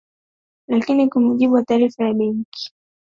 Lakini kwa mujibu wa taarifa ya Benki ya Dunia